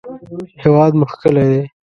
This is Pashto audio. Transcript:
هېواد مو ښکلی دی